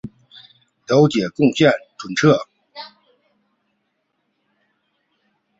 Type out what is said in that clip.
该剪辑版与原版比起评价较佳。